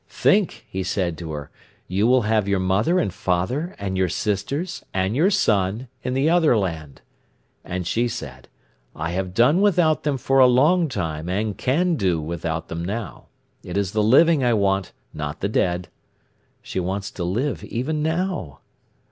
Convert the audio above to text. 'Think!' he said to her; 'you will have your mother and father, and your sisters, and your son, in the Other Land.' And she said: 'I have done without them for a long time, and can do without them now. It is the living I want, not the dead.' She wants to live even now."